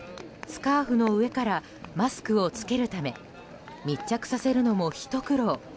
スカーフの上からマスクを着けるため密着させるのも、ひと苦労。